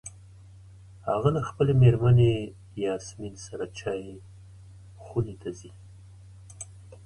هغه له خپلې مېرمنې یاسمین سره چای خونو ته ځي.